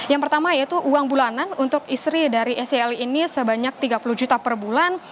yang pertama yaitu uang bulanan untuk istri dari scl ini sebanyak tiga puluh juta per bulan